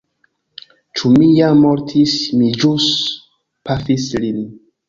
Ĉu mi jam mortis? Mi ĵus pafis lin.